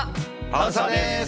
パンサーです。